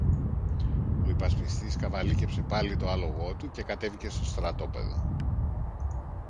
Ο υπασπιστής καβαλίκεψε πάλι το άλογο του και κατέβηκε στο στρατόπεδο.